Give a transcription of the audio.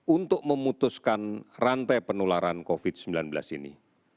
untuk memutuskan rantai penularan covid sembilan belas ini